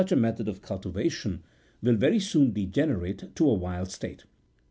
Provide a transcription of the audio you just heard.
51/ a method of cultivation, will very soon degenerate to a wild state.